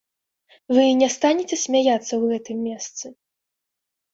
Вы не станеце смяяцца ў гэтым месцы?